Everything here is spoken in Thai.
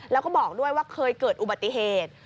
แล้วก็บอกด้วยว่าเคยเกิดอุบัติเหตุ